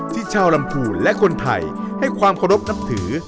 ที่ชาวลำภูนิและคนไทยให้ความควรบนับถือ